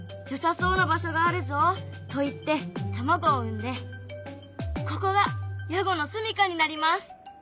よさそうな場所があるぞといって卵を産んでここがヤゴのすみかになります。